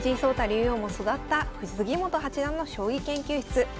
竜王も育った杉本八段の将棋研究室。